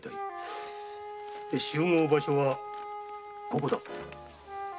集合場所はここだ。